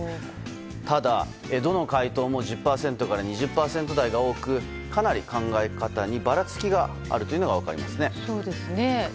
ただ、どの回答も１０％から２０％台が多くかなり考え方に、ばらつきがあるのが分かりますね。